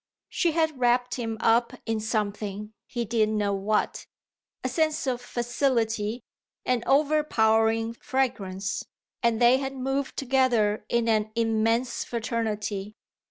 She had wrapped him up in something, he didn't know what a sense of facility, an overpowering fragrance and they had moved together in an immense fraternity.